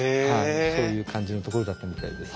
そういう感じの所だったみたいです。